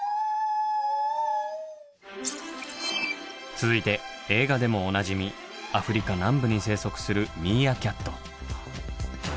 続いて映画でもおなじみアフリカ南部に生息するミーアキャット。